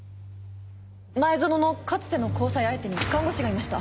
前薗のかつての交際相手に看護師がいました。